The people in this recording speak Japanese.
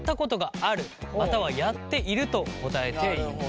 またはやっていると答えています。